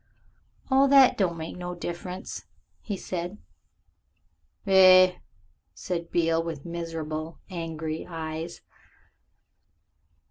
"All that don't make no difference," he said. "Eh?" said Beale with miserable, angry eyes.